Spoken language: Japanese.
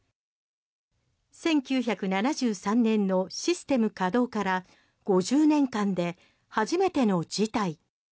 １９７３年のシステム稼働から５０年間で初めての事態。